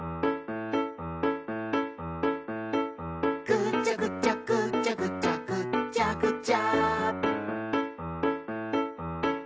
「ぐちゃぐちゃぐちゃぐちゃぐっちゃぐちゃ」